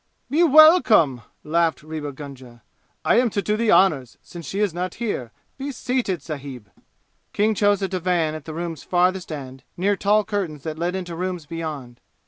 "Be welcome!" laughed Rewa Gunga; "I am to do the honors, since she is not here. Be seated, sahib." King chose a divan at the room's farthest end, near tall curtains that led into rooms beyond.